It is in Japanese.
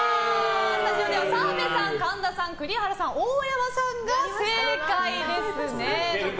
スタジオでは澤部さん、神田さん、栗原さん大山さんが正解です。